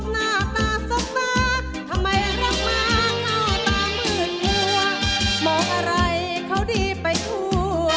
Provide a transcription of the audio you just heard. ทำไมรับมาเข้าตามืดหัวมองอะไรเขาดีไปทั่ว